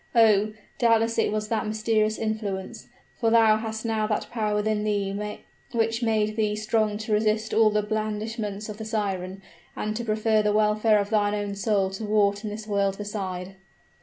Oh! doubtless it was that mysterious influence; for thou hast now that power within thee which made thee strong to resist all the blandishments of the siren, and to prefer the welfare of thine own soul to aught in this world beside!